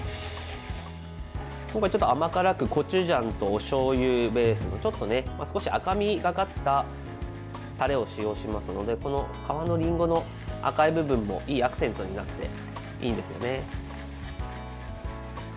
今回、ちょっと甘辛くコチュジャンとおしょうゆベースのちょっと少し赤みがかったタレを使用しますのでこの皮のりんごの赤い部分もいいアクセントになっていいんですよね。